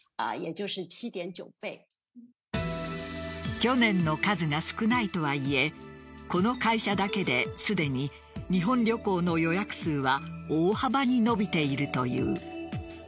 去年の数が少ないとはいえこの会社だけですでに日本旅行の予約数は大幅に伸びているという。